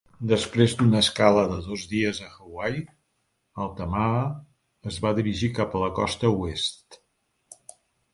Després d'una escala de dos dies a Hawaii, "Altamaha" es va dirigir cap a la costa oest.